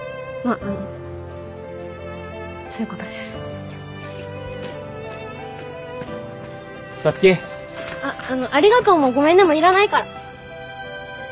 あっあの「ありがとう」も「ごめんね」もいらないから。